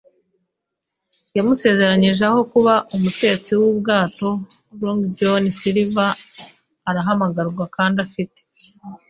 yamusezeranye aho kuba umutetsi wubwato. Long John Silver, arahamagarwa, kandi afite